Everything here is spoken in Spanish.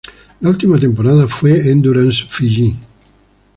La última temporada fue Endurance Fiji.